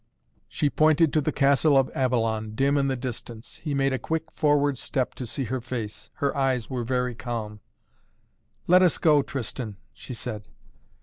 She pointed to the castle of Avalon, dim in the distance. He made a quick forward step to see her face. Her eyes were very calm. "Let us go, Tristan!" she said.